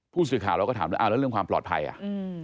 ผู้สื่อข่าวเราก็ถามเรื่องความปลอดภัยอ่ะ